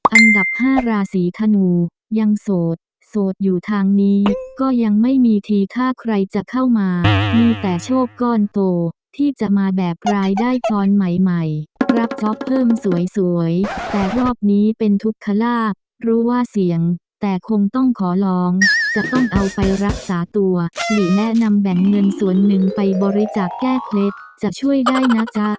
อันดับ๕ราศีธนูยังโสดโสดอยู่ทางนี้ก็ยังไม่มีทีถ้าใครจะเข้ามามีแต่โชคก้อนโตที่จะมาแบบรายได้กรใหม่ใหม่รับจ๊อปเพิ่มสวยแต่รอบนี้เป็นทุกขลาบรู้ว่าเสี่ยงแต่คงต้องขอร้องจะต้องเอาไปรักษาตัวหลีแนะนำแบ่งเงินส่วนหนึ่งไปบริจาคแก้เคล็ดจะช่วยได้นะจ๊ะ